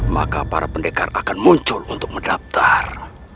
maka para pendekar akan muncul untuk mendaftar